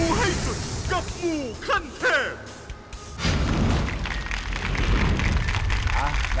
มูให้สุดกับมูคันเทพ